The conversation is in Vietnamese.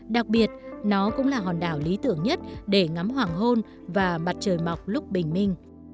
đặc biệt nó cũng là hòn đảo lý tưởng nhất để ngắm hoàng hôn và mặt trời mọc lúc bình minh